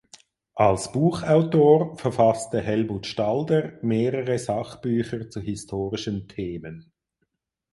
Als Buchautor verfasste Helmut Stalder mehrere Sachbücher zu historischen Themen.